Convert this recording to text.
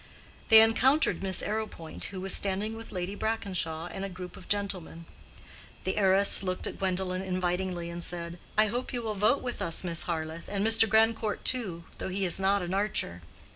They encountered Miss Arrowpoint, who was standing with Lady Brackenshaw and a group of gentlemen. The heiress looked at Gwendolen invitingly and said, "I hope you will vote with us, Miss Harleth, and Mr. Grandcourt too, though he is not an archer."